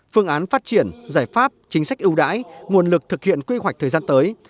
phương án phát triển giải pháp chính sách ưu đãi nguồn lực thực hiện quy hoạch thời gian tới